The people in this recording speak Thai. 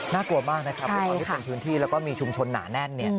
กลัวมากนะครับด้วยความที่เป็นพื้นที่แล้วก็มีชุมชนหนาแน่น